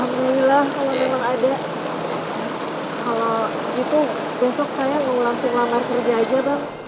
kalau gitu besok saya mau langsung lamar kerja aja bang